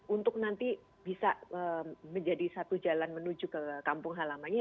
untuk nanti bisa menjadi satu jalan menuju ke kampung halamannya